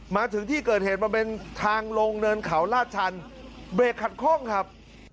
มาถึงที่เกิดเหตุมันเป็นทางลงเนินเขาลาดชันเบรกขัดคล่องครับ